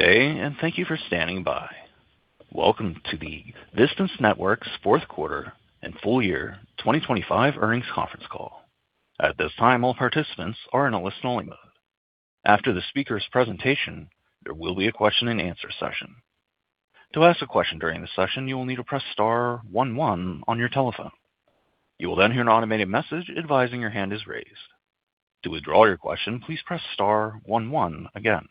Good day, and thank you for standing by. Welcome to the Vistance Networks fourth quarter and full year 2025 earnings conference call. At this time, all participants are in a listening mode. After the speaker's presentation, there will be a question-and-answer session. To ask a question during the session, you will need to press star 1 1 on your telephone. You will then hear an automated message advising your hand is raised. To withdraw your question, please press star 1 1 again.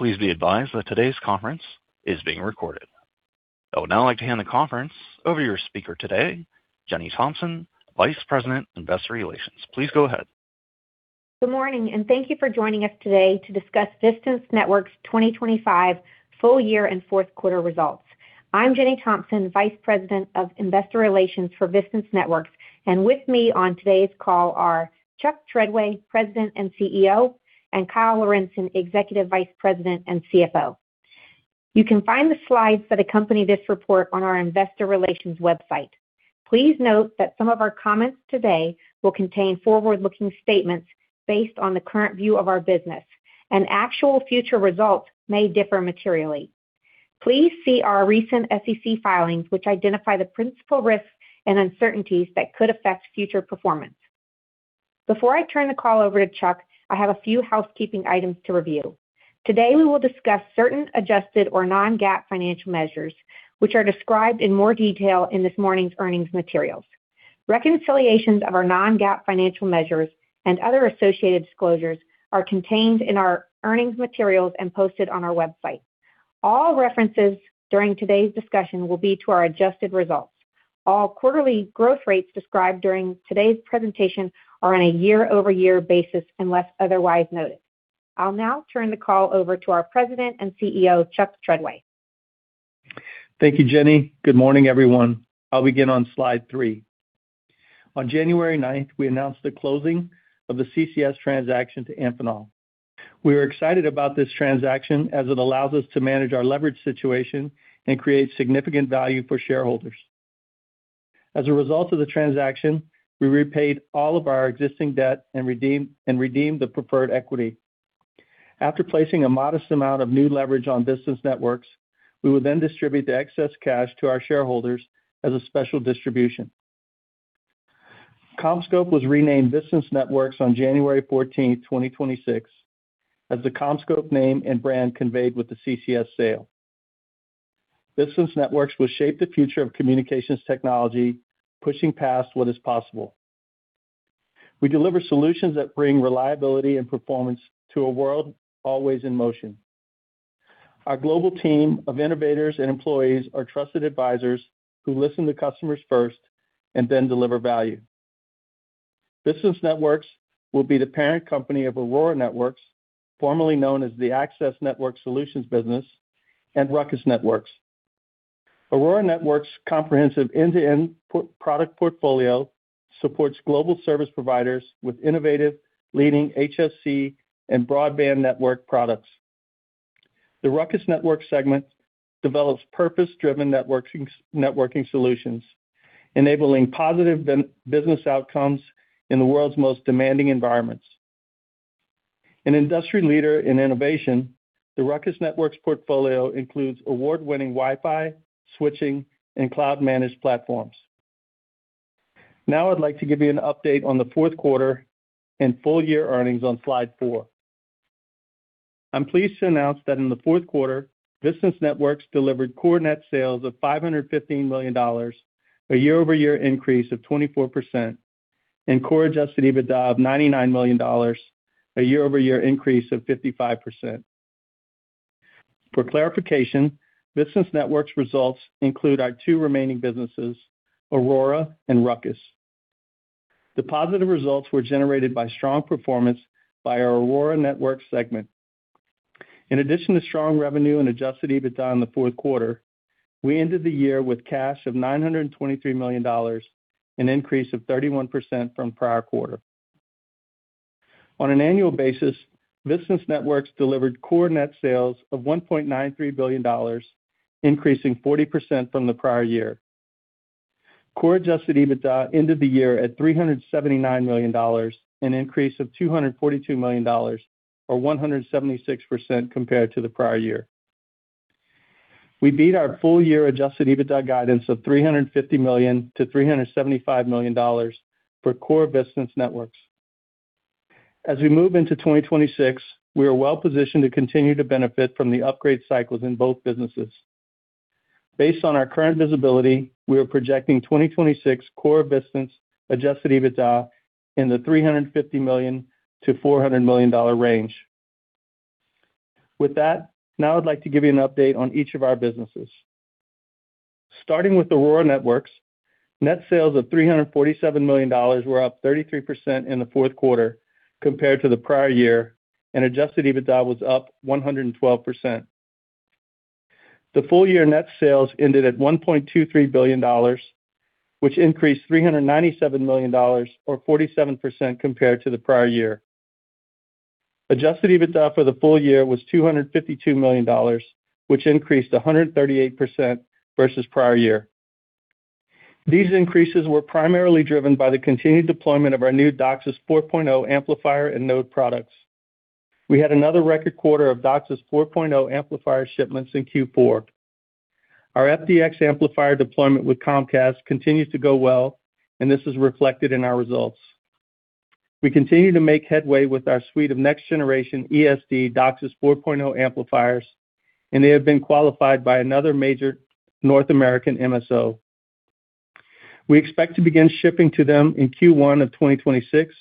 Please be advised that today's conference is being recorded. I would now like to hand the conference over to your speaker today, Jenny Thompson, Vice President, Investor Relations. Please go ahead. Good morning. Thank you for joining us today to discuss Vistance Networks' 2025 full year and fourth quarter results. I'm Jenny Thompson, Vice President of Investor Relations for Vistance Networks. With me on today's call are Chuck Treadway, President and CEO, and Kyle Lorentzen, Executive Vice President and CFO. You can find the slides that accompany this report on our investor relations website. Please note that some of our comments today will contain forward-looking statements based on the current view of our business. Actual future results may differ materially. Please see our recent SEC filings, which identify the principal risks and uncertainties that could affect future performance. Before I turn the call over to Chuck, I have a few housekeeping items to review. Today, we will discuss certain adjusted or non-GAAP financial measures, which are described in more detail in this morning's earnings materials. Reconciliations of our non-GAAP financial measures and other associated disclosures are contained in our earnings materials and posted on our website. All references during today's discussion will be to our adjusted results. All quarterly growth rates described during today's presentation are on a year-over-year basis, unless otherwise noted. I'll now turn the call over to our President and CEO, Chuck Treadway. Thank you, Jenny. Good morning, everyone. I'll begin on slide 3. On January 9th, we announced the closing of the CCS transaction to Amphenol. We are excited about this transaction as it allows us to manage our leverage situation and create significant value for shareholders. As a result of the transaction, we repaid all of our existing debt and redeemed the preferred equity. After placing a modest amount of new leverage on Vistance Networks, we will then distribute the excess cash to our shareholders as a special distribution. CommScope was renamed Vistance Networks on January 14th, 2026, as the CommScope name and brand conveyed with the CCS sale. Vistance Networks will shape the future of communications technology, pushing past what is possible. We deliver solutions that bring reliability and performance to a world always in motion. Our global team of innovators and employees are trusted advisors who listen to customers first and then deliver value. Vistance Networks will be the parent company of Aurora Networks, formerly known as the Access Network Solutions business, and Ruckus Networks. Aurora Networks' comprehensive end-to-end product portfolio supports global service providers with innovative, leading HFC and broadband network products. The Ruckus Networks segment develops purpose-driven networking solutions, enabling positive business outcomes in the world's most demanding environments. An industry leader in innovation, the Ruckus Networks portfolio includes award-winning Wi-Fi, switching, and cloud-managed platforms. I'd like to give you an update on the fourth quarter and full-year earnings on slide four. I'm pleased to announce that in the fourth quarter, Vistance Networks delivered core net sales of $515 million, a year-over-year increase of 24%, and core adjusted EBITDA of $99 million, a year-over-year increase of 55%. For clarification, Vistance Networks' results include our two remaining businesses, Aurora and Ruckus. The positive results were generated by strong performance by our Aurora Networks segment. In addition to strong revenue and adjusted EBITDA in the fourth quarter, we ended the year with cash of $923 million, an increase of 31% from prior quarter. On an annual basis, Vistance Networks delivered core net sales of $1.93 billion, increasing 40% from the prior year. Core adjusted EBITDA ended the year at $379 million, an increase of $242 million, or 176% compared to the prior year. We beat our full-year adjusted EBITDA guidance of $350 million-$375 million for core Vistance Networks. As we move into 2026, we are well positioned to continue to benefit from the upgrade cycles in both businesses. Based on our current visibility, we are projecting 2026 core Vistance adjusted EBITDA in the $350 million-$400 million range. With that, now I'd like to give you an update on each of our businesses. Starting with Aurora Networks, net sales of $347 million were up 33% in the fourth quarter compared to the prior year, and adjusted EBITDA was up 112%. The full year net sales ended at $1.23 billion, which increased $397 million, or 47% compared to the prior year. Adjusted EBITDA for the full year was $252 million, which increased 138% versus prior year. These increases were primarily driven by the continued deployment of our new DOCSIS 4.0 amplifier and node products. We had another record quarter of DOCSIS 4.0 amplifier shipments in Q4. Our FDX amplifier deployment with Comcast continues to go well, and this is reflected in our results. We continue to make headway with our suite of next-generation ESD DOCSIS 4.0 amplifiers. They have been qualified by another major North American MSO. We expect to begin shipping to them in Q1 of 2026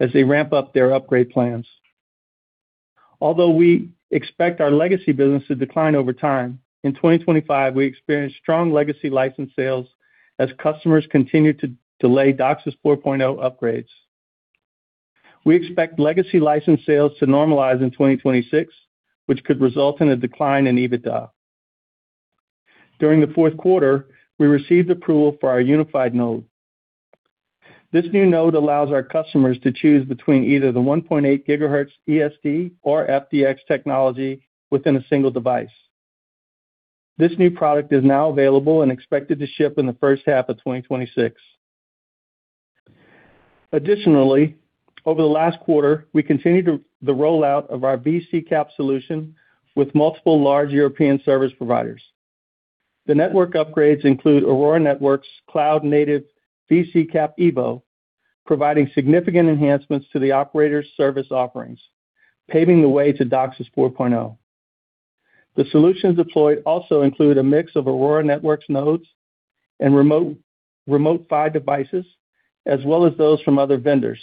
as they ramp up their upgrade plans. Although we expect our legacy business to decline over time, in 2025, we experienced strong legacy license sales as customers continued to delay DOCSIS 4.0 upgrades. We expect legacy license sales to normalize in 2026, which could result in a decline in EBITDA. During the fourth quarter, we received approval for our unified node. This new node allows our customers to choose between either the 1.8 gigahertz ESD or FDX technology within a single device. This new product is now available and expected to ship in the first half of 2026. Over the last quarter, we continued the rollout of our vCCAP solution with multiple large European service providers. The network upgrades include Aurora Networks' cloud-native vCCAP Evo, providing significant enhancements to the operator's service offerings, paving the way to DOCSIS 4.0. The solutions deployed also include a mix of Aurora Networks nodes and Remote PHY devices, as well as those from other vendors,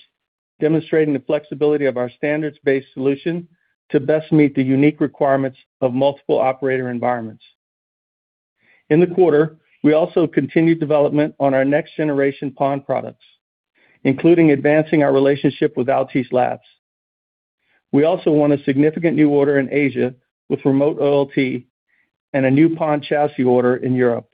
demonstrating the flexibility of our standards-based solution to best meet the unique requirements of multiple operator environments. In the quarter, we also continued development on our next-generation PON products, including advancing our relationship with Altice Labs. We also won a significant new order in Asia with Remote OLT and a new PON chassis order in Europe.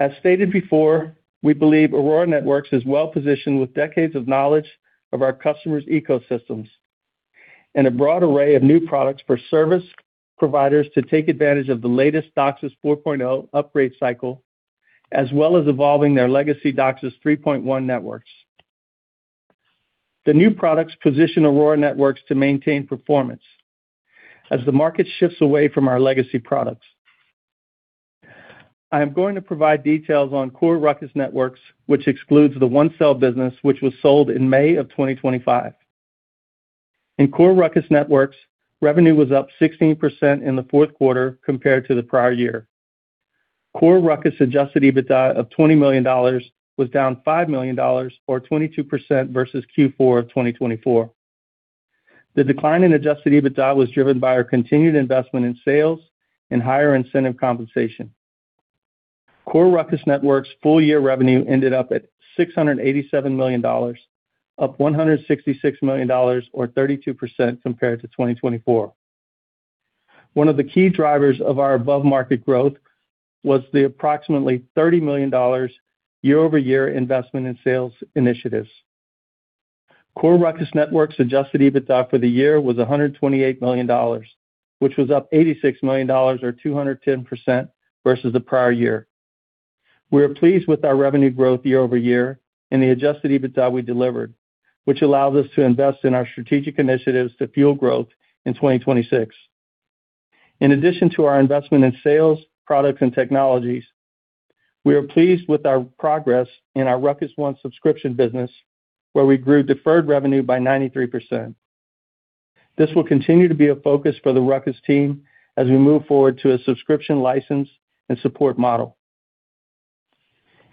As stated before, we believe Aurora Networks is well-positioned with decades of knowledge of our customers' ecosystems and a broad array of new products for service providers to take advantage of the latest DOCSIS 4.0 upgrade cycle, as well as evolving their legacy DOCSIS 3.1 networks. The new products position Aurora Networks to maintain performance as the market shifts away from our legacy products. I am going to provide details on core Ruckus Networks, which excludes the OneCell business, which was sold in May of 2025. In core Ruckus Networks, revenue was up 16% in the fourth quarter compared to the prior year. Core Ruckus adjusted EBITDA of $20 million was down $5 million, or 22%, versus Q4 of 2024. The decline in adjusted EBITDA was driven by our continued investment in sales and higher incentive compensation. Core Ruckus Networks' full-year revenue ended up at $687 million, up $166 million, or 32%, compared to 2024. One of the key drivers of our above-market growth was the approximately $30 million year-over-year investment in sales initiatives. Core Ruckus Networks' adjusted EBITDA for the year was $128 million, which was up $86 million, or 210%, versus the prior year. We are pleased with our revenue growth year-over-year and the adjusted EBITDA we delivered, which allows us to invest in our strategic initiatives to fuel growth in 2026. In addition to our investment in sales, products, and technologies, we are pleased with our progress in our Ruckus One subscription business, where we grew deferred revenue by 93%. This will continue to be a focus for the Ruckus team as we move forward to a subscription, license, and support model.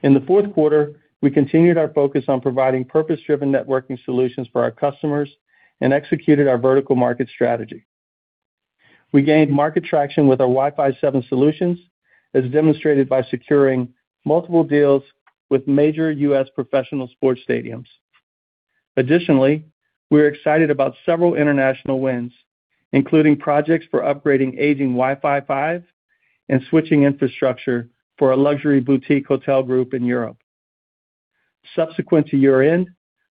In the fourth quarter, we continued our focus on providing purpose-driven networking solutions for our customers and executed our vertical market strategy. We gained market traction with our Wi-Fi 7 solutions, as demonstrated by securing multiple deals with major US professional sports stadiums. Additionally, we are excited about several international wins, including projects for upgrading aging Wi-Fi 5 and switching infrastructure for a luxury boutique hotel group in Europe. Subsequent to year-end,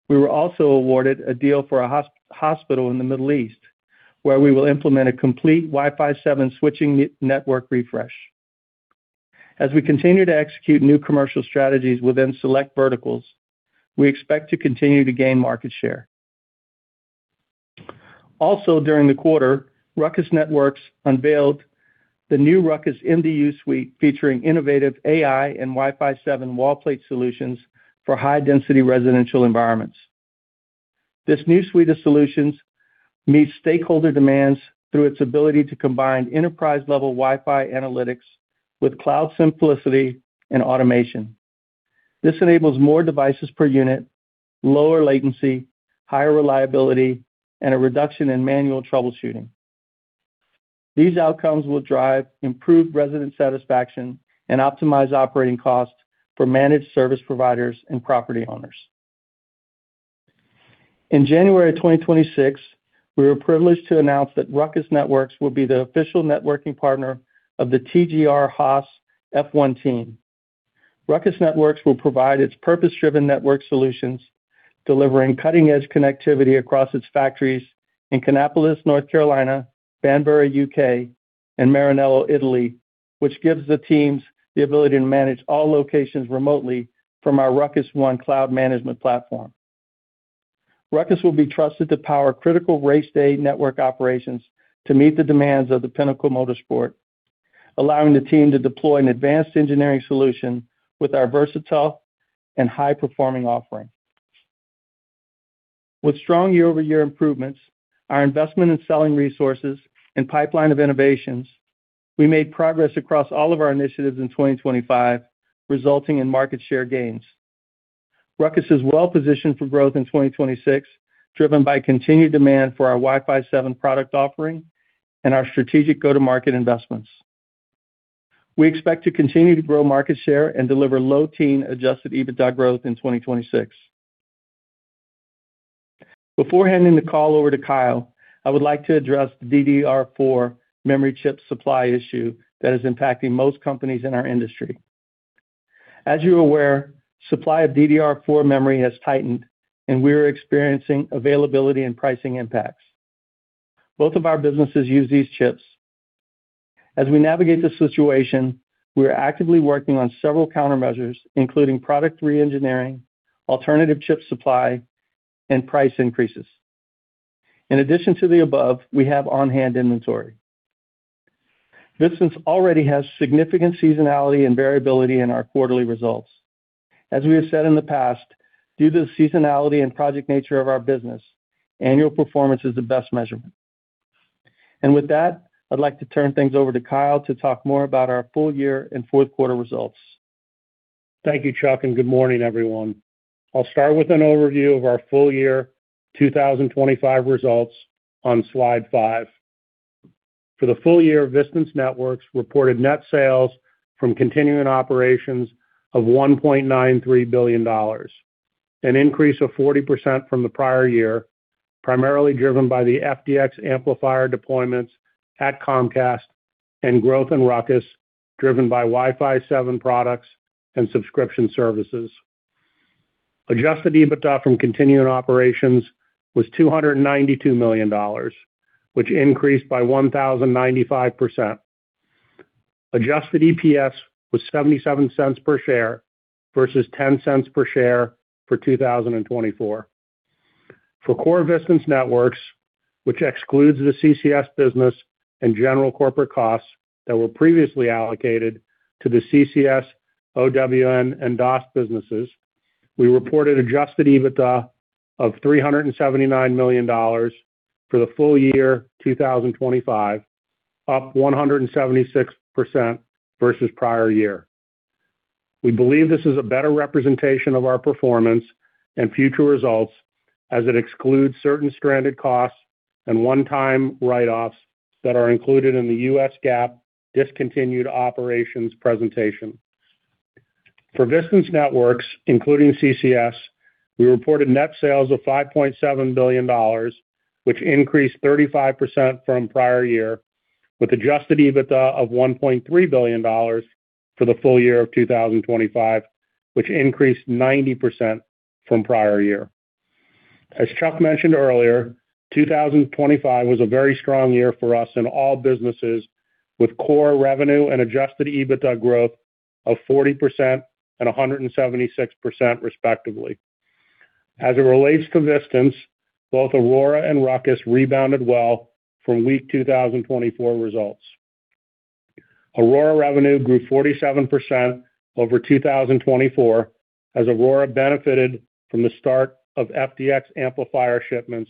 we were also awarded a deal for a hospital in the Middle East, where we will implement a complete Wi-Fi 7 switching network refresh. As we continue to execute new commercial strategies within select verticals, we expect to continue to gain market share. During the quarter, Ruckus Networks unveiled the new Ruckus MDU Suite, featuring innovative AI and Wi-Fi 7 wall plate solutions for high-density residential environments. This new suite of solutions meets stakeholder demands through its ability to combine enterprise-level Wi-Fi analytics with cloud simplicity and automation. This enables more devices per unit, lower latency, higher reliability, and a reduction in manual troubleshooting. These outcomes will drive improved resident satisfaction and optimize operating costs for managed service providers and property owners. In January 2026, we were privileged to announce that Ruckus Networks will be the official networking partner of the TGR Haas F1 team. Ruckus Networks will provide its purpose-driven network solutions, delivering cutting-edge connectivity across its factories in Kannapolis, North Carolina, Banbury, U.K., and Maranello, Italy, which gives the teams the ability to manage all locations remotely from our Ruckus One cloud management platform. Ruckus will be trusted to power critical race day network operations to meet the demands of the pinnacle motorsport, allowing the team to deploy an advanced engineering solution with our versatile and high-performing offering. With strong year-over-year improvements, our investment in selling resources, and pipeline of innovations, we made progress across all of our initiatives in 2025, resulting in market share gains. Ruckus is well positioned for growth in 2026, driven by continued demand for our Wi-Fi 7 product offering and our strategic go-to-market investments. We expect to continue to grow market share and deliver low teen adjusted EBITDA growth in 2026. Before handing the call over to Kyle, I would like to address the DDR4 memory chip supply issue that is impacting most companies in our industry. As you are aware, supply of DDR4 memory has tightened, and we are experiencing availability and pricing impacts. Both of our businesses use these chips. As we navigate this situation, we are actively working on several countermeasures, including product reengineering, alternative chip supply, and price increases. In addition to the above, we have on-hand inventory. Vistance already has significant seasonality and variability in our quarterly results. As we have said in the past, due to the seasonality and project nature of our business, annual performance is the best measurement. With that, I'd like to turn things over to Kyle to talk more about our full year and fourth quarter results. Thank you, Chuck. Good morning, everyone. I'll start with an overview of our full year 2025 results on slide 5. For the full year, Vistance Networks reported net sales from continuing operations of $1.93 billion, an increase of 40% from the prior year, primarily driven by the FDX amplifier deployments at Comcast and growth in Ruckus, driven by Wi-Fi 7 products and subscription services. Adjusted EBITDA from continuing operations was $292 million, which increased by 1,095%. Adjusted EPS was $0.77 per share versus $0.10 per share for 2024. For core Vistance Networks, which excludes the CCS business and general corporate costs that were previously allocated to the CCS, OWN, and DAS businesses, we reported adjusted EBITDA of $379 million for the full year 2025, up 176% versus prior year. We believe this is a better representation of our performance and future results as it excludes certain stranded costs and one-time write-offs that are included in the US GAAP discontinued operations presentation. For Vistance Networks, including CCS, we reported net sales of $5.7 billion, which increased 35% from prior year, with adjusted EBITDA of $1.3 billion for the full year of 2025, which increased 90% from prior year. As Chuck mentioned earlier, 2025 was a very strong year for us in all businesses, with core revenue and adjusted EBITDA growth of 40% and 176%, respectively. As it relates to Vistance, both Aurora and Ruckus rebounded well from weak 2024 results. Aurora revenue grew 47% over 2024, as Aurora benefited from the start of FDX amplifier shipments,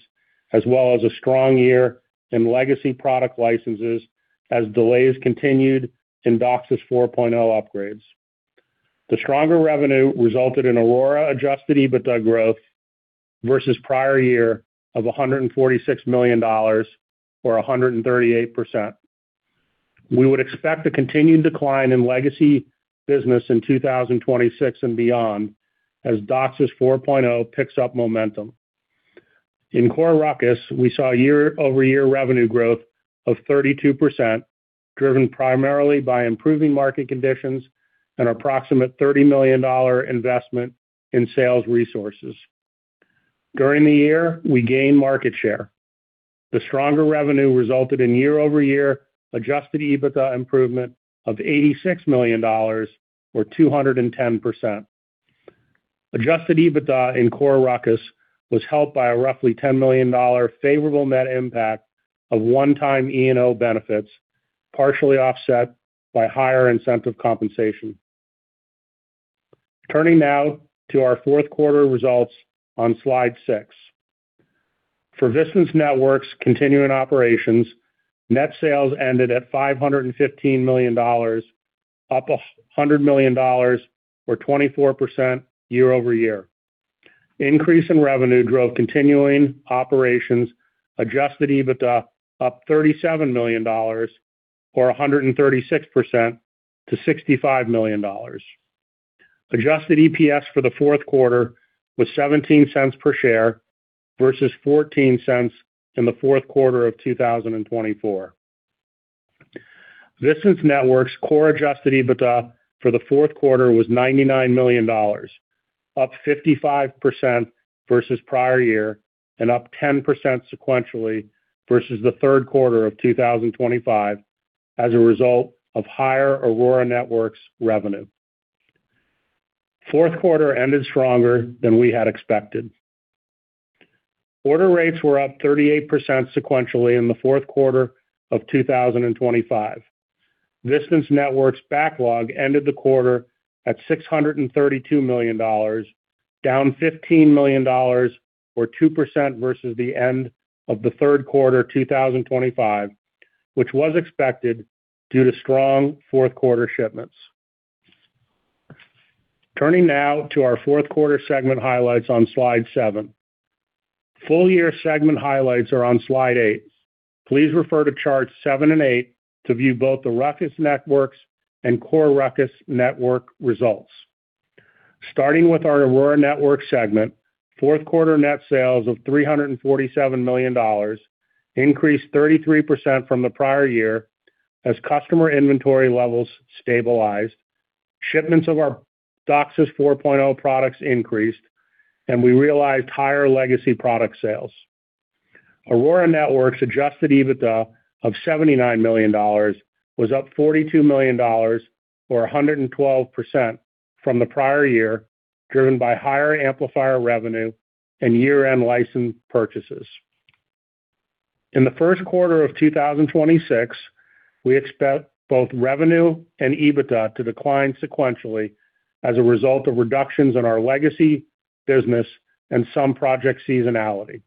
as well as a strong year in legacy product licenses, as delays continued in DOCSIS 4.0 upgrades. The stronger revenue resulted in Aurora adjusted EBITDA growth versus prior year of $146 million or 138%. We would expect a continued decline in legacy business in 2026 and beyond, as DOCSIS 4.0 picks up momentum. In core Ruckus, we saw year-over-year revenue growth of 32%, driven primarily by improving market conditions and approximate $30 million investment in sales resources. During the year, we gained market share. The stronger revenue resulted in year-over-year adjusted EBITDA improvement of $86 million or 210%. Adjusted EBITDA in core Ruckus was helped by a roughly $10 million favorable net impact of one-time E&O benefits, partially offset by higher incentive compensation. Turning now to our fourth quarter results on slide 6. For Vistance Networks' continuing operations, net sales ended at $515 million, up $100 million or 24% year-over-year. Increase in revenue drove continuing operations, adjusted EBITDA up $37 million or 136% to $65 million. Adjusted EPS for the fourth quarter was $0.17 per share versus $0.14 in the fourth quarter of 2024. Vistance Networks' core adjusted EBITDA for the fourth quarter was $99 million, up 55% versus prior year and up 10% sequentially versus the third quarter of 2025, as a result of higher Aurora Networks revenue. Fourth quarter ended stronger than we had expected. Order rates were up 38% sequentially in the fourth quarter of 2025. Vistance Networks' backlog ended the quarter at $632 million, down $15 million, or 2%, versus the end of the third quarter 2025, which was expected due to strong fourth quarter shipments. Turning now to our fourth quarter segment highlights on Slide 7. Full year segment highlights are on Slide 8. Please refer to Charts seven and eight to view both the Ruckus Networks and CoreRuckus network results. Starting with our Aurora Networks segment, fourth quarter net sales of $347 million increased 33% from the prior year as customer inventory levels stabilized, shipments of our DOCSIS 4.0 products increased, and we realized higher legacy product sales. Aurora Networks adjusted EBITDA of $79 million was up $42 million, or 112% from the prior year, driven by higher amplifier revenue and year-end license purchases. In the first quarter of 2026, we expect both revenue and EBITDA to decline sequentially as a result of reductions in our legacy business and some project seasonality.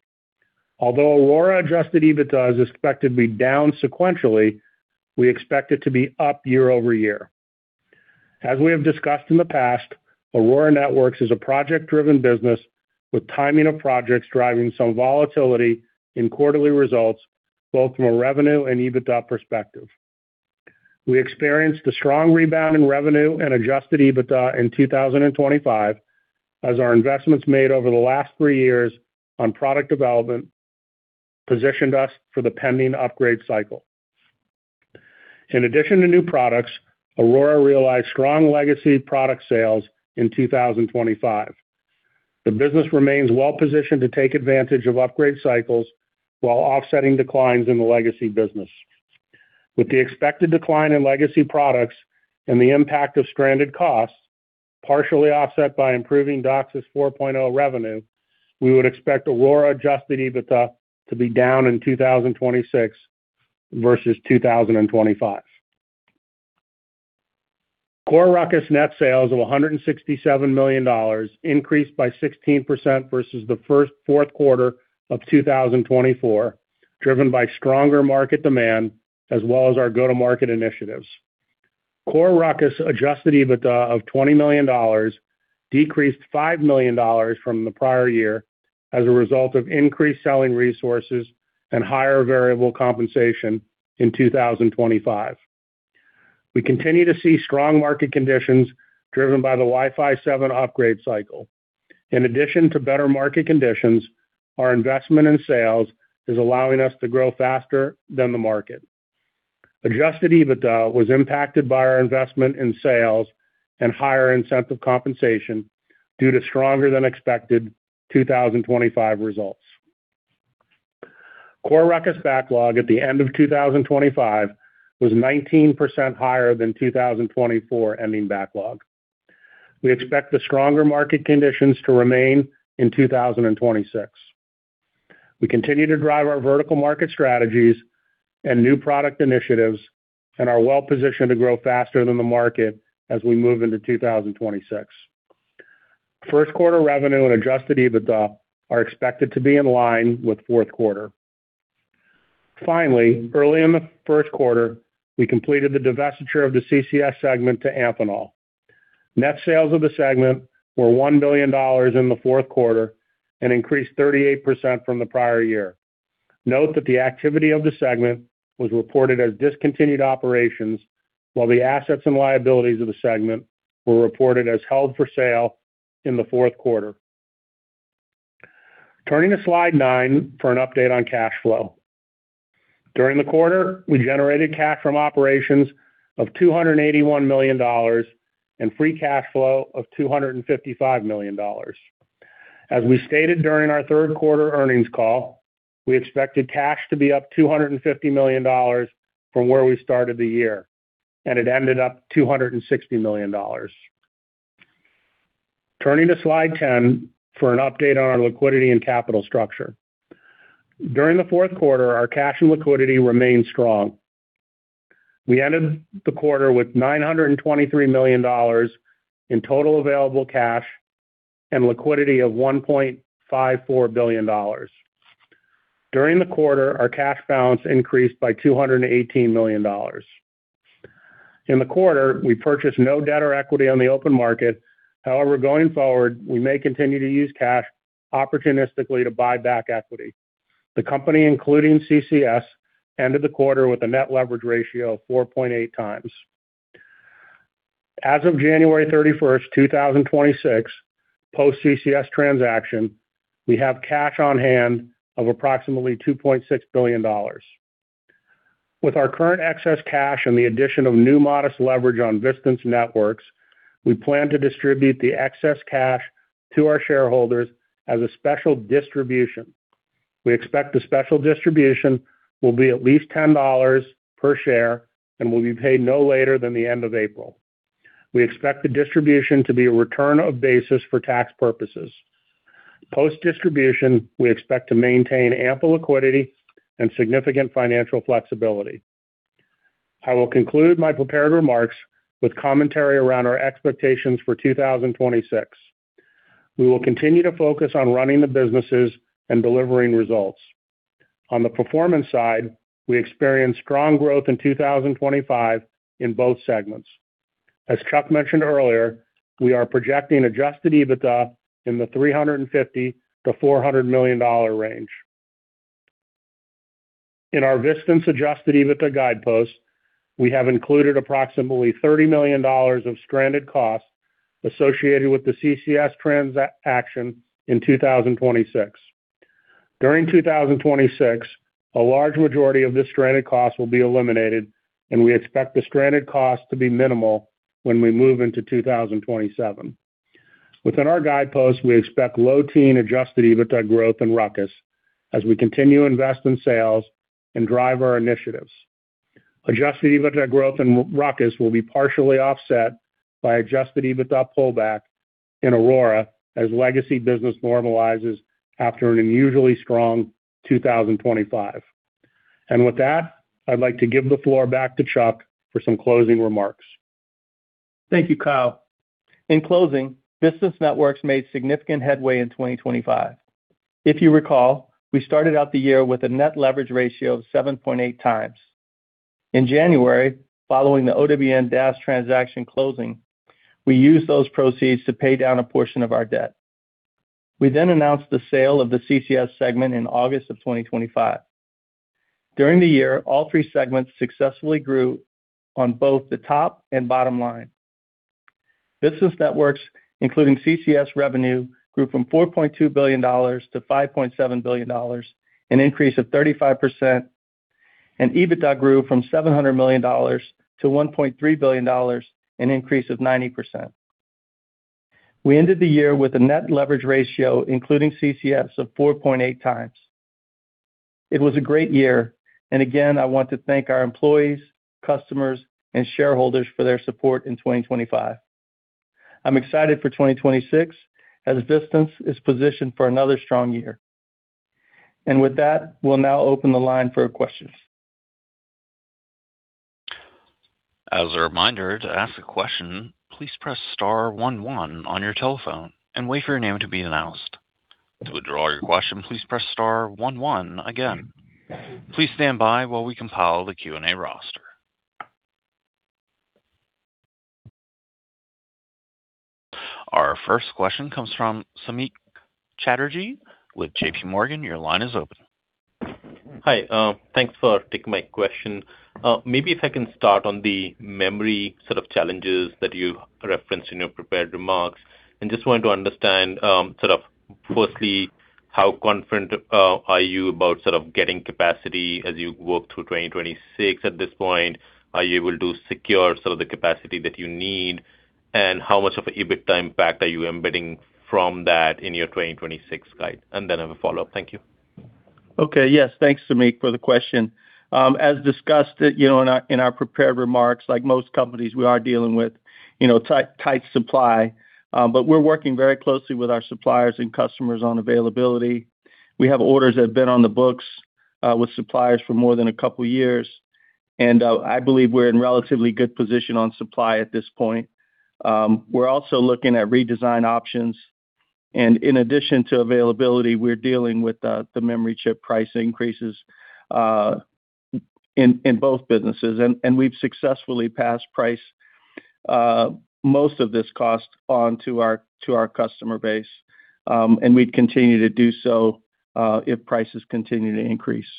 Although Aurora adjusted EBITDA is expected to be down sequentially, we expect it to be up year-over-year. As we have discussed in the past, Aurora Networks is a project-driven business, with timing of projects driving some volatility in quarterly results, both from a revenue and EBITDA perspective. We experienced a strong rebound in revenue and adjusted EBITDA in 2025, as our investments made over the last three years on product development positioned us for the pending upgrade cycle. In addition to new products, Aurora realized strong legacy product sales in 2025. The business remains well-positioned to take advantage of upgrade cycles while offsetting declines in the legacy business. With the expected decline in legacy products and the impact of stranded costs, partially offset by improving DOCSIS 4.0 revenue, we would expect Aurora adjusted EBITDA to be down in 2026 versus 2025. CoreRuckus net sales of $167 million increased by 16% versus the first fourth quarter of 2024, driven by stronger market demand as well as our go-to-market initiatives. CoreRuckus adjusted EBITDA of $20 million decreased $5 million from the prior year as a result of increased selling resources and higher variable compensation in 2025. We continue to see strong market conditions driven by the Wi-Fi 7 upgrade cycle. In addition to better market conditions, our investment in sales is allowing us to grow faster than the market. Adjusted EBITDA was impacted by our investment in sales and higher incentive compensation due to stronger-than-expected 2025 results. CoreRuckus backlog at the end of 2025 was 19% higher than 2024 ending backlog. We expect the stronger market conditions to remain in 2026. We continue to drive our vertical market strategies and new product initiatives and are well positioned to grow faster than the market as we move into 2026. First quarter revenue and adjusted EBITDA are expected to be in line with fourth quarter. Early in the first quarter, we completed the divestiture of the CCS segment to Amphenol. Net sales of the segment were $1 billion in the fourth quarter and increased 38% from the prior year. Note that the activity of the segment was reported as discontinued operations, while the assets and liabilities of the segment were reported as held for sale in the fourth quarter. Turning to Slide 9 for an update on cash flow. During the quarter, we generated cash from operations of $281 million and free cash flow of $255 million. As we stated during our third quarter earnings call, we expected cash to be up $250 million from where we started the year, and it ended up $260 million. Turning to Slide 10 for an update on our liquidity and capital structure. During the fourth quarter, our cash and liquidity remained strong. We ended the quarter with $923 million in total available cash and liquidity of $1.54 billion. During the quarter, our cash balance increased by $218 million. In the quarter, we purchased no debt or equity on the open market. Going forward, we may continue to use cash opportunistically to buy back equity. The company, including CCS, ended the quarter with a net leverage ratio of 4.8 times. As of January 31, 2026, post CCS transaction, we have cash on hand of approximately $2.6 billion. With our current excess cash and the addition of new modest leverage on Vistance Networks, we plan to distribute the excess cash to our shareholders as a special distribution. We expect the special distribution will be at least $10 per share and will be paid no later than the end of April. We expect the distribution to be a return of basis for tax purposes. Post-distribution, we expect to maintain ample liquidity and significant financial flexibility. I will conclude my prepared remarks with commentary around our expectations for 2026. We will continue to focus on running the businesses and delivering results. On the performance side, we experienced strong growth in 2025 in both segments. As Chuck mentioned earlier, we are projecting adjusted EBITDA in the $350 million-$400 million range. In our Vistance adjusted EBITDA guideposts, we have included approximately $30 million of stranded costs associated with the CCS transaction in 2026. During 2026, a large majority of this stranded cost will be eliminated, and we expect the stranded cost to be minimal when we move into 2027. Within our guideposts, we expect low teen adjusted EBITDA growth in Ruckus as we continue to invest in sales and drive our initiatives. Adjusted EBITDA growth in Ruckus will be partially offset by adjusted EBITDA pullback in Aurora as legacy business normalizes after an unusually strong 2025. With that, I'd like to give the floor back to Chuck for some closing remarks. Thank you, Kyle. In closing, Vistance Networks made significant headway in 2025. If you recall, we started out the year with a net leverage ratio of 7.8 times. In January, following the OWN DAS transaction closing, we used those proceeds to pay down a portion of our debt. We announced the sale of the CCS segment in August of 2025. During the year, all three segments successfully grew on both the top and bottom line. Vistance Networks, including CCS revenue, grew from $4.2 billion to $5.7 billion, an increase of 35%, and EBITDA grew from $700 million to $1.3 billion, an increase of 90%. We ended the year with a net leverage ratio, including CCS, of 4.8 times. It was a great year, and again, I want to thank our employees, customers, and shareholders for their support in 2025. I'm excited for 2026 as Vistance is positioned for another strong year. With that, we'll now open the line for questions. As a reminder, to ask a question, please press star 11 on your telephone and wait for your name to be announced. To withdraw your question, please press star 11 again. Please stand by while we compile the Q&A roster. Our first question comes from Samik Chatterjee with JPMorgan. Your line is open. Hi, thanks for taking my question. Maybe if I can start on the memory sort of challenges that you referenced in your prepared remarks, and just wanted to understand, sort of firstly, how confident are you about sort of getting capacity as you work through 2026 at this point? Are you able to secure some of the capacity that you need? How much of an EBITDA impact are you embedding from that in your 2026 guide? I have a follow-up. Thank you. Okay, yes, thanks, Samik, for the question. As discussed, you know, in our prepared remarks, like most companies, we are dealing with, you know, tight supply, but we're working very closely with our suppliers and customers on availability. We have orders that have been on the books with suppliers for more than a couple years, and I believe we're in relatively good position on supply at this point. We're also looking at redesign options, and in addition to availability, we're dealing with the memory chip price increases in both businesses. We've successfully passed price most of this cost on to our customer base, and we'd continue to do so if prices continue to increase.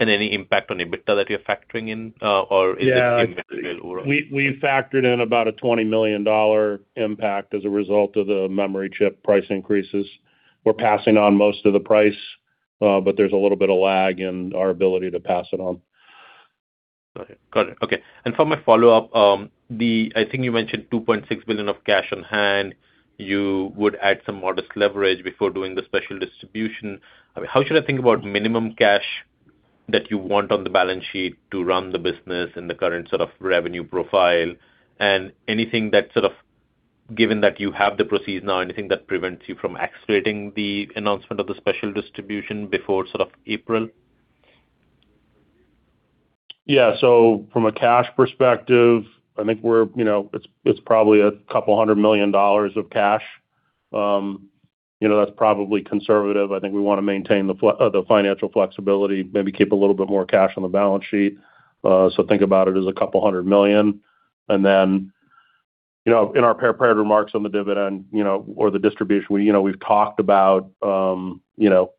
Any impact on EBITDA that you're factoring in? Yeah, we've factored in about a $20 million impact as a result of the memory chip price increases. We're passing on most of the price, there's a little bit of lag in our ability to pass it on. Got it. Okay. For my follow-up, I think you mentioned $2.6 billion of cash on hand. You would add some modest leverage before doing the special distribution. I mean, how should I think about minimum cash that you want on the balance sheet to run the business in the current sort of revenue profile? Anything that sort of, given that you have the proceeds now, anything that prevents you from accelerating the announcement of the special distribution before sort of April? Yeah. From a cash perspective, I think we're, you know, it's probably a couple hundred million dollars of cash. You know, that's probably conservative. I think we want to maintain the financial flexibility, maybe keep a little bit more cash on the balance sheet. Think about it as a couple hundred million, and then-... you know, in our prepared remarks on the dividend, you know, or the distribution, we, you know, we've talked about, you know,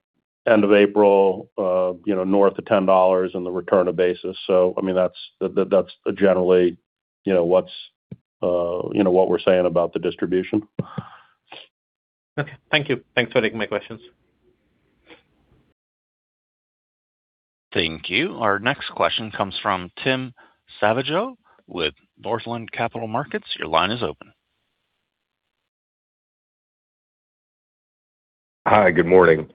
end of April, you know, north of $10 and the return of basis. I mean, that's generally, you know, what's, you know what we're saying about the distribution. Okay. Thank you. Thanks for taking my questions. Thank you. Our next question comes from Tim Savageaux with Northland Capital Markets. Your line is open. Hi, good morning.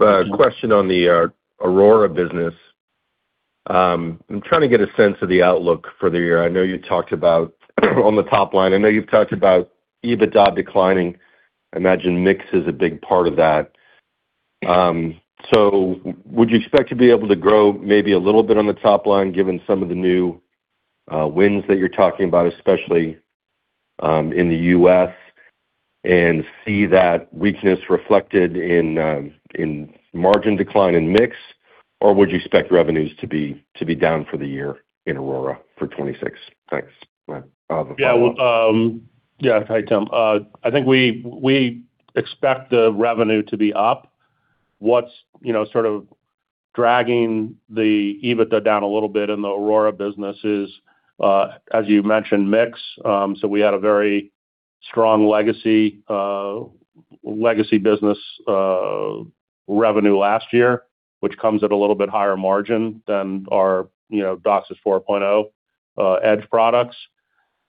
Question on the Aurora business. I'm trying to get a sense of the outlook for the year. I know you talked about, on the top line, I know you've talked about EBITDA declining. I imagine mix is a big part of that. Would you expect to be able to grow maybe a little bit on the top line, given some of the new wins that you're talking about, especially in the US, and see that weakness reflected in margin decline in mix? Or would you expect revenues to be down for the year in Aurora for 26? Thanks. Yeah. Yeah. Hi, Tim. I think we expect the revenue to be up. What's, you know, sort of dragging the EBITDA down a little bit in the Aurora business is, as you mentioned, mix. We had a very strong legacy business revenue last year, which comes at a little bit higher margin than our, you know, DOCSIS 4.0 edge products.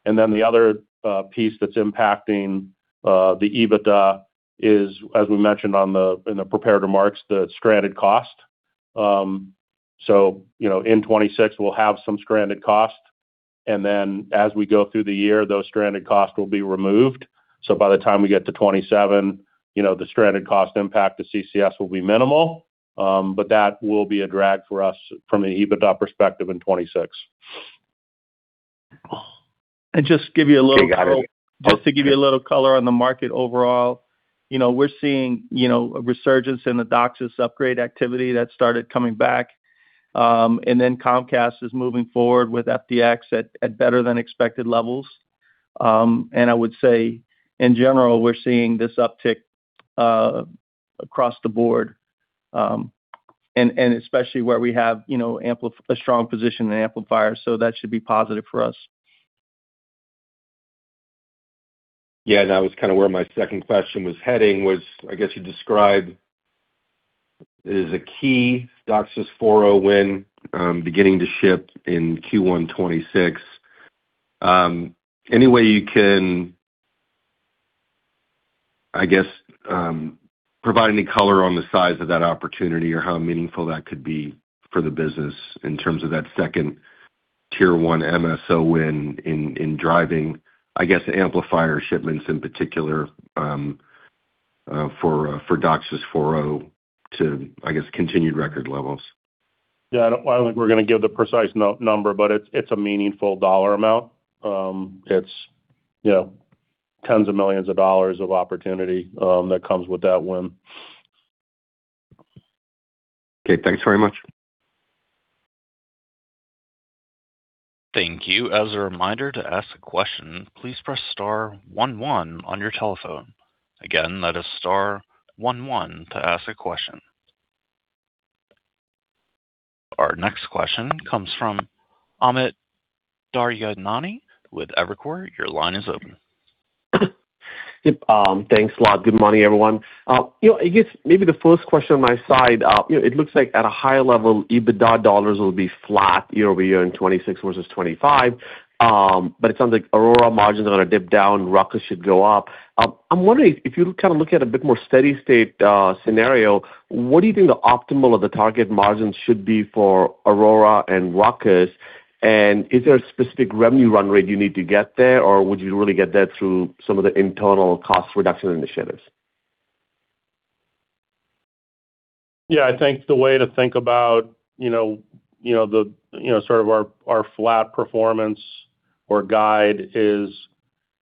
The other piece that's impacting the EBITDA is, as we mentioned on the prepared remarks, the stranded cost. You know, in 2026 we'll have some stranded costs, and then as we go through the year, those stranded costs will be removed. By the time we get to 2027, you know, the stranded cost impact to CCS will be minimal, but that will be a drag for us from an EBITDA perspective in 2026. Just to give you a little color. Okay, got it. Just to give you a little color on the market overall, you know, we're seeing, you know, a resurgence in the DOCSIS upgrade activity that started coming back. Comcast is moving forward with FDX at better-than-expected levels. I would say, in general, we're seeing this uptick across the board, and especially where we have, you know, a strong position in amplifiers, so that should be positive for us. That was kind of where my second question was heading, I guess you described it as a key DOCSIS 4.0 win, beginning to ship in Q1 2026. Any way you can, I guess, provide any color on the size of that opportunity or how meaningful that could be for the business in terms of that second Tier 1 MSO win in driving, I guess, amplifier shipments in particular, for DOCSIS 4.0 to, I guess, continued record levels? Yeah, I don't think we're going to give the precise number, it's a meaningful dollar amount. It's, you know, tens of millions of dollars of opportunity that comes with that win. Okay, thanks very much. Thank you. As a reminder, to ask a question, please press star one one on your telephone. Again, that is star one one to ask a question. Our next question comes from Amit Daryanani with Evercore. Your line is open. Yep, thanks a lot. Good morning, everyone. You know, I guess maybe the first question on my side, you know, it looks like at a high level, EBITDA dollars will be flat year-over-year in 2026 versus 2025. It sounds like Aurora margins are going to dip down, Ruckus should go up. I'm wondering if you kind of look at a bit more steady state, scenario, what do you think the optimal or the target margins should be for Aurora and Ruckus? Is there a specific revenue run rate you need to get there, or would you really get that through some of the internal cost reduction initiatives? Yeah, I think the way to think about, you know, you know, the, you know, sort of our flat performance or guide is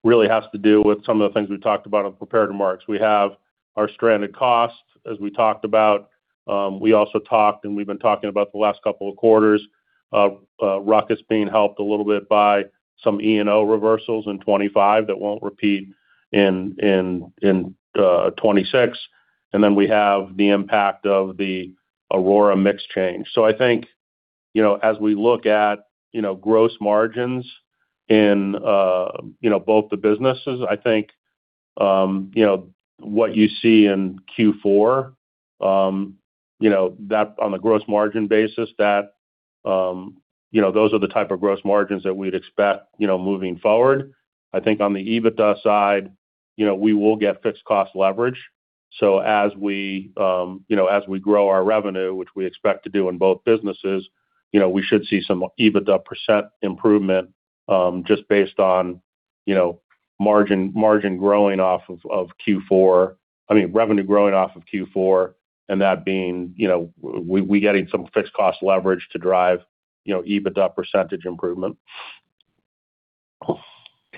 really has to do with some of the things we talked about in prepared remarks. We have our stranded costs, as we talked about. We also talked and we've been talking about the last couple of quarters of Ruckus being helped a little bit by some E&O reversals in 25 that won't repeat in 26. Then we have the impact of the Aurora mix change. I think, you know, as we look at, you know, gross margins in, you know, both the businesses, you know, what you see in Q4, you know, that on a gross margin basis, you know, those are the type of gross margins that we'd expect, you know, moving forward. I think on the EBITDA side, you know, we will get fixed cost leverage. As we, you know, as we grow our revenue, which we expect to do in both businesses, you know, we should see some EBITDA % improvement, just based on, you know, margin growing off of Q4, I mean, revenue growing off of Q4, and that being, you know, we getting some fixed cost leverage to drive, you know, EBITDA percentage improvement.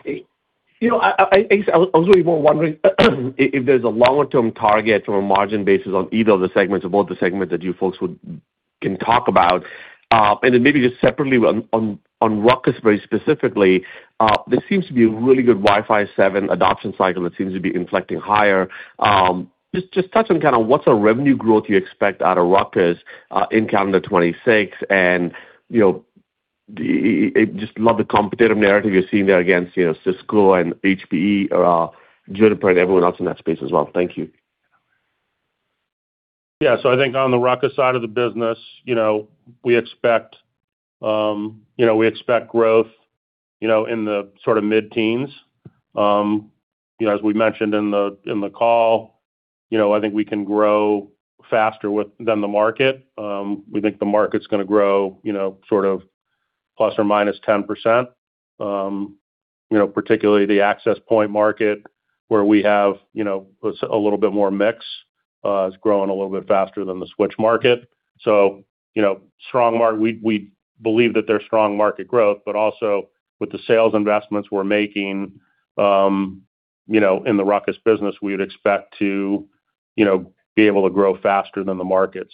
You know, I was really more wondering, if there's a longer-term target or a margin basis on either of the segments or both the segments that you folks can talk about, maybe just separately on Ruckus very specifically, there seems to be a really good Wi-Fi 7 adoption cycle that seems to be inflecting higher. just touch on kind of what's a revenue growth you expect out of Ruckus in calendar 2026, you know, just love the competitive narrative you're seeing there against, you know, Cisco and HPE, Juniper, and everyone else in that space as well. Thank you. Yeah. I think on the Ruckus side of the business, you know, we expect, you know, we expect growth, you know, in the sort of mid-teens. You know, as we mentioned in the call, you know, I think we can grow faster than the market. We think the market's gonna grow, you know, sort of ±10%. You know, particularly the access point market, where we have, you know, a little bit more mix, it's growing a little bit faster than the switch market. You know, we believe that there's strong market growth, but also with the sales investments we're making, you know, in the Ruckus business, we'd expect to, you know, be able to grow faster than the market.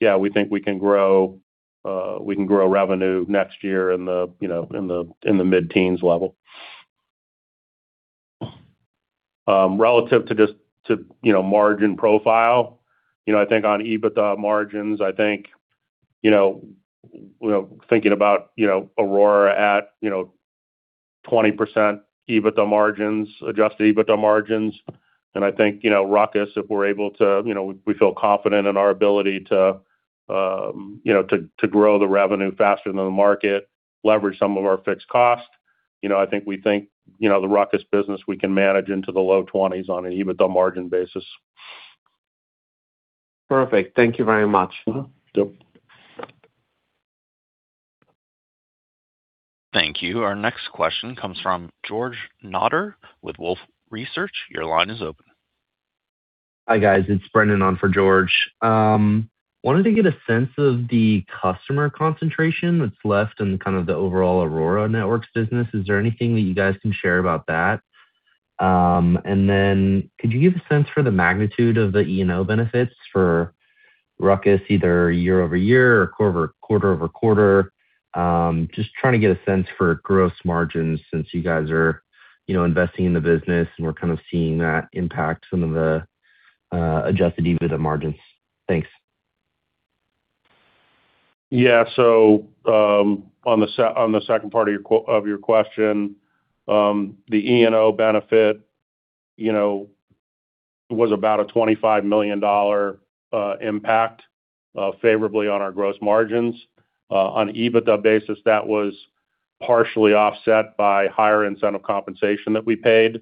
Yeah, we think we can grow, we can grow revenue next year in the mid-teens level. Relative to just to margin profile, I think on EBITDA margins, I think thinking about Aurora at 20% EBITDA margins, adjusted EBITDA margins, and I think Ruckus, if we're able to, we feel confident in our ability to grow the revenue faster than the market, leverage some of our fixed costs. I think we think the Ruckus business, we can manage into the low twenties on an EBITDA margin basis. Perfect. Thank you very much. Yep. Thank you. Our next question comes from George Notter with Wolfe Research. Your line is open. Hi, guys. It's Brendan on for George. Wanted to get a sense of the customer concentration that's left in kind of the overall Aurora Networks business. Is there anything that you guys can share about that? And then could you give a sense for the magnitude of the E&O benefits for Ruckus, either year-over-year or quarter-over-quarter? Just trying to get a sense for gross margins since you guys are, you know, investing in the business, and we're kind of seeing that impact some of the adjusted EBITDA margins. Thanks. On the second part of your question, the E&O benefit, you know, was about a $25 million impact favorably on our gross margins. On EBITDA basis, that was partially offset by higher incentive compensation that we paid,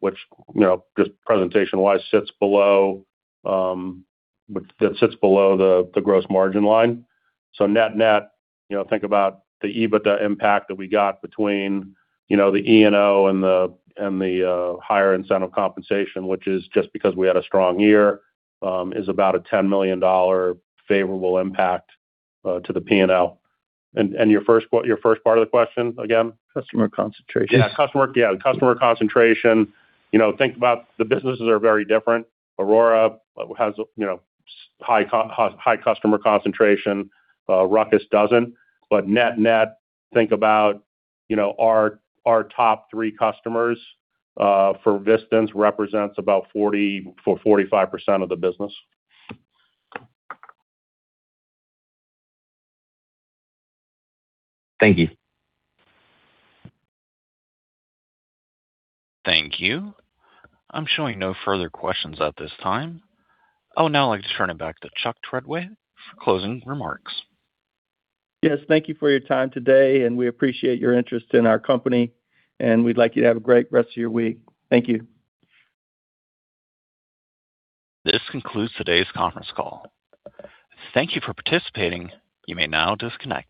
which, you know, just presentation-wise, sits below the gross margin line. Net-net, you know, think about the EBITDA impact that we got between, you know, the E&O and the higher incentive compensation, which is just because we had a strong year, is about a $10 million favorable impact to the P&L. Your first part of the question again? Customer concentration. Yeah, customer, yeah, customer concentration. You know, think about the businesses are very different. Aurora has, you know, high customer concentration, Ruckus doesn't. Net-net, think about, you know, our top three customers, for Vistance represents about 40-45% of the business. Thank you. Thank you. I'm showing no further questions at this time. I would now like to turn it back to Chuck Treadway for closing remarks. Yes, thank you for your time today, and we appreciate your interest in our company, and we'd like you to have a great rest of your week. Thank you. This concludes today's conference call. Thank Thank you for participating. You may now disconnect.